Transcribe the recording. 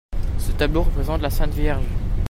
Ce tableau représente la Sainte Vierge.